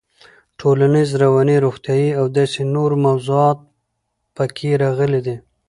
ټولنيز, رواني, روغتيايي او داسې نورو موضوعات پکې راغلي دي.